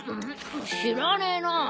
知らねえなぁ。